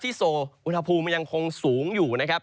โซอุณหภูมิมันยังคงสูงอยู่นะครับ